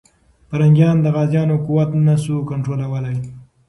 پرنګیان د غازيانو قوت نه سو کنټرولولی.